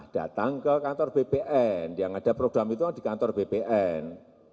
datang ke kantor bpn yang ada program itu di kantor bpn